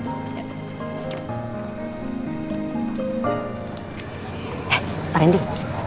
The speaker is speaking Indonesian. eh pak randy